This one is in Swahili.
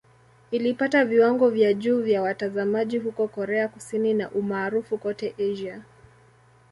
Ilipata viwango vya juu vya watazamaji huko Korea Kusini na umaarufu kote Asia.